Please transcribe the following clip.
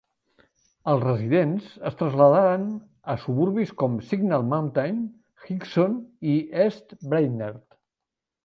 Els residents es traslladaren a suburbis com Signal Mountain, Hixson i East Brainerd.